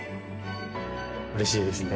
うれしいですね。